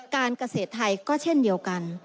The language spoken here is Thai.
การเกษตรไทยก็เช่นเดียวกัน